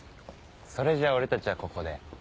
それじゃ俺たちはここで。